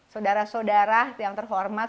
saudara saudara yang terhormat